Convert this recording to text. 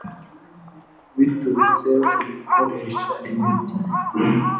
biturutse ku gukoresha imiti.